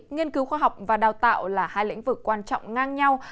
nghiên cứu khoa học và đào tạo là hai lĩnh vực quan trọng ngang nhau